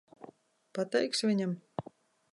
Pateiksi viņam?